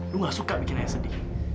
lu gak suka bikin ayah sedih